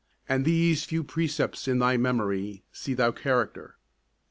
And these few precepts in thy memory See thou character.